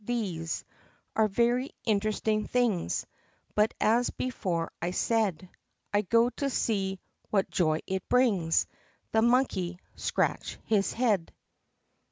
These Are very interesting things. Tut, as before I said, I go to see ( what joy it brings !) The monkey scratch his head!